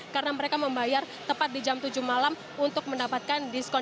karena mereka membayar tepat di jam tujuh malam untuk mendapatkan diskon